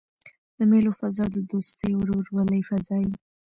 د مېلو فضا د دوستۍ او ورورولۍ فضا يي.